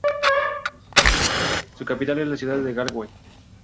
Su capital es la ciudad de Galway.